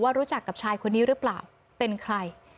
รู้จักกับชายคนนี้หรือเปล่าเป็นใคร